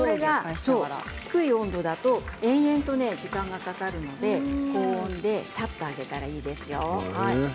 低い温度だと延々と時間がかかるので高温でさっと揚げたらいいですよ。